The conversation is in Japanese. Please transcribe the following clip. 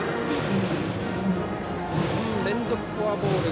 連続フォアボール。